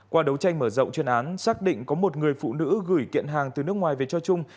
qua đấu tranh mở rộng chuyên án xác định có một người phụ nữ gửi kiện hàng từ nước ngoài về cho trung